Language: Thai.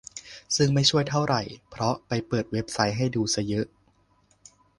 ซึ่งไม่ช่วยเท่าไหร่ เพราะไปเปิดเว็บให้ดูซะเยอะ